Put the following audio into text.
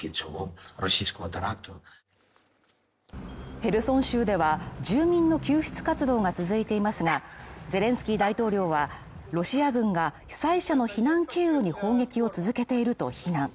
ヘルソン州では、住民の救出活動が続いていますが、ゼレンスキー大統領はロシア軍が被災者の避難経路に砲撃を続けていると非難。